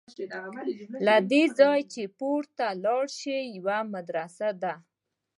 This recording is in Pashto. له دې ځایه چې پورته لاړ شې یوه مدرسه ده.